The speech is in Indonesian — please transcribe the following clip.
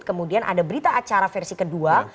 kemudian ada berita acara versi kedua